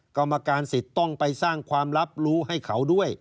กรรมการสิทธิ์ต้องไปสร้างความรับรู้ให้เขาด้วย